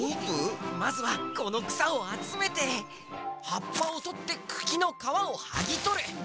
まずはこのくさをあつめてはっぱをとってくきのかわをはぎとる。